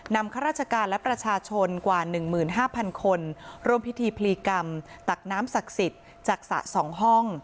นำข้าราชการและประชาชนกว่าหนึ่งหมื่นห้าพันคนรวมพิธีพลีกรรมตักน้ำศักดิ์สิทธิ์จากสระสองห้อง